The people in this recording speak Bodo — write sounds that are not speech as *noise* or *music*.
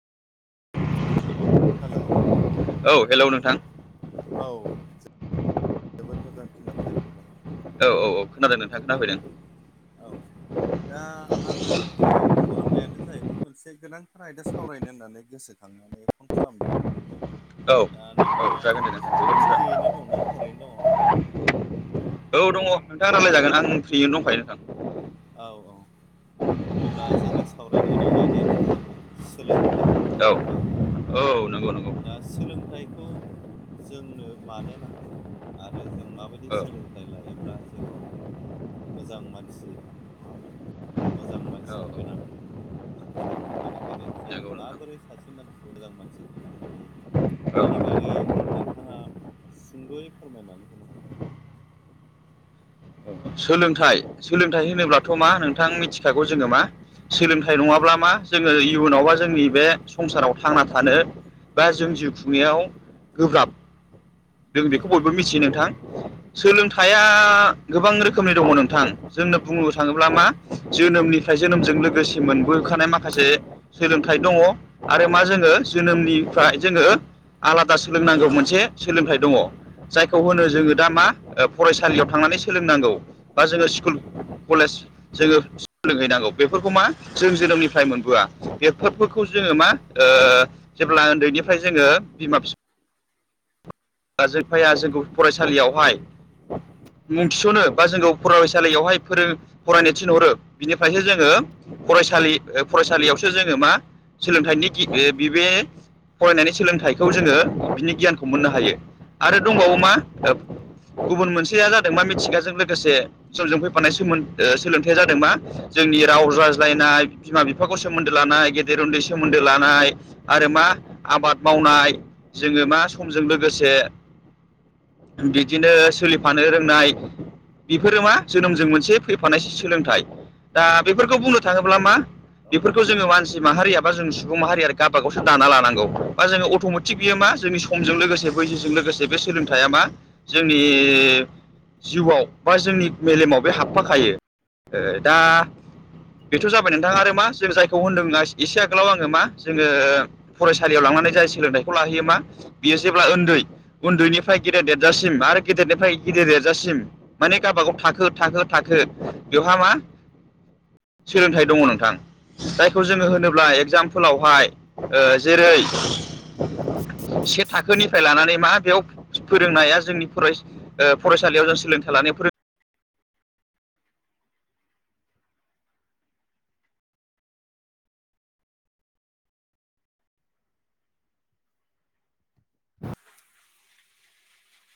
*inaudible* हेलौ औ हेलौ नोंथां। औ। जोबोद मोजां खोना फैदों एबाराव। औ औ औ खोनादों नोंथां खोनाफैदों। औ। दा आं नोंथांखौ फन खालामनायानो जाहैबाय मोनसे गोनांथार आयदा सावरायनो होननानै गोसो। थांनानै फन खालामदों नोंथां। औ दा नोंथाङा जागोन दे नोंथां फ्रियैनो दंना ओरैनो दङ। औ दङ नोंथाङा रायज्लाय जागोन आं फ्रियैनो दंखायो नोंथां। औ औ अब्ला जोंनि सावरायनो गोनां आयदायानो जाहैबाय सोलोंथाइ। नङा औ होमबा औ नंगौ नंगौ दा सोलोंथाइ। खौ जोंनो मानो नांगौ आरो जों माबायदि औ सोलों सोलोंथाइ लायोब्ला जिउआव मोजां मानसि नङा होमब्ला मोजां औ मानसिनि गोनां। संसाराव बेनिखायनो जों नंगौ नोंथां माबोरै सासे मानसि मोजां मानसि खालामनो हायो। औ बेनि बागै नोंथाङा सुंद'यै फोरमायनानै होनो हागोन। औ सोलोंथाइ सोलोंथाइ होनोब्लाथ' मा नोंथां मिथिखागौ जोङो मा सोलोंथाइ नङाब्ला मा जोङो इयुनाव बा जोंनि बे संसाराव थांना थानो बा जों जिउ खुंनायाव गोब्राब। जों बेखौ बयबो औ मिथियो नोंथां सोलोंथाइया गोबां रोखोमनि दङ नोंथां। जोंनो बुंनो थाङोब्ला औ मा जोनोमनिफ्राय जोनोमजों लोगोसे मोनबोखानाय माखासे सोलोंथाइ दङ आरो मा जोङो जोनोमनिफ्राय जोङो आलादा सोलोंनांगौ मोनसे सोलोंथाइ दङ जायखौ होनो औ जोङो दा मा फरायसालियाव थांनानै सोलोंनांगौ बा जोङो स्कुल नंगौ कलेज जोङो। सोलोंहैनांगौ बेफोरखौ मा जों जोनोमनिफ्राय मोनबोआ बेफोरखौ जोङो मा? ओ जेब्ला उन्दैनिफ्राय जोङो बिमा-बिफा *unintelligible* जायफाया जोंखौ फरायसालियावहाय मुं थिस'नो बा जोंखौ फरायसालियावहाय फोरों फरायनो थिनहरो बिनिफ्रायसो जोङो फरायसालि, फरायसालियावसो जोङो मा? सोलोंथाइनि *unintelligible* बिबे फरायनायनि सोलोंथाइखौ जोङो बिनि गियानखौ मोननो हायो। आरो दंबावो मा नंगौ *unintelligible* गुबुन मोनसेया जादों मा मिथिगाजों लोगोसे समजों फैफानाय सोमोन्द सोलोंथाइया जादों मा जोंनि राव रायज्लायनाय बिमा-बिफाखौ सोमोन्दो लानाय, गेदेर-उन्दै सोमोन्दो लानाय आरो मा आबाद मावनाय। जोङो मा समजों लोगोसे। बिदिनो सोलिफानो रोंनाय, बेफोरो मा जोनोमजों मोनसे फैफानाय सोलोंथाइ, दा बेफोरखौ बुंनो थाङोब्ला मा? औ बेफोरखौ जोङो मानसि माहारियाबा जों सुबुं माहारिया गाबागावसो दाना लानांगौ बा जोङो अट'मेटिक बियो मा जोंनि, समजों औ लोगोसे बैसोजों नंगौ औ लोगोसे बे सोलोंथाइया मा जोंनि जिउआव बा जोंनि मेलेमाव बे हाबफाखायो। ओ दा बेथ' जाबाय नोंथाङा आरो मा जों जायखौ होनदों एसे आगोलाव आङो मा जोङो फरायसालियाव लांनानै जाय सोलोंथाइखौ लाहैयो मा बियो जेब्ला उन्दै उन्दैनिफ्राय गेदेर देरजासिम आरो गेदेरनिफ्राय गिदिर देरजासिम, माने गावबागाव थाखो-थाखो-थाखो बेवहा मा? सोलोंथाइ दङ नोंथां। जायखौ जोङो होनोब्ला एगजामपोलावहाय जेरै, से थाख निफ्राय लानानै मा बेयाव फोरोंनाया जोंनि फरायस- फरायसालियाव जों सोलोंथाइ लानायाव फोरों